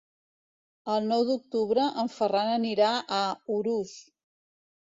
El nou d'octubre en Ferran anirà a Urús.